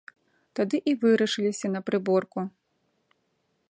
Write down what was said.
Тады і вырашыліся на прыборку.